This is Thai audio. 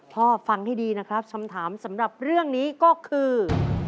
ฟังให้ดีนะครับคำถามสำหรับเรื่องนี้ก็คือ